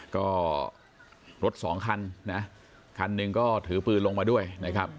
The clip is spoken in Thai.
ก็รถสองคันนะคันหนึ่งก็ถือปืนลงมาด้วยนะครับ